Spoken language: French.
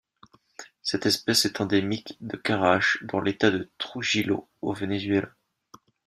Cette espèce est endémique de Carache dans l'État de Trujillo au Venezuela.